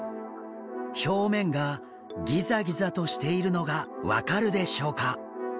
表面がギザギザとしているのが分かるでしょうか？